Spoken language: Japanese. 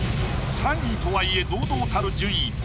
３位とはいえ堂々たる順位。